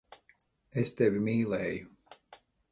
Es tevi mīlēju.